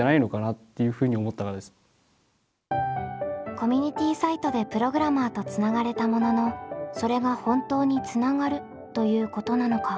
コミュニティサイトでプログラマーとつながれたもののそれが本当につながるということなのか。